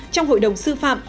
trong hội đồng sư phạm